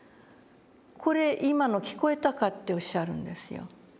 「これ今の聞こえたか？」っておっしゃるんですよ。